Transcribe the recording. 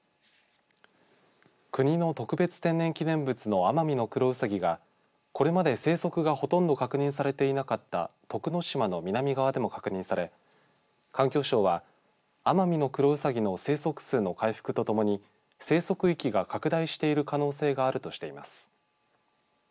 国の特別天然記念物のアマミノクロウサギがこれまで生息がほとんど確認されていなかった徳之島の南側でも確認され環境省はアマミノクロウサギの生息数の回復とともに生息域が拡大している可能性があるとしています。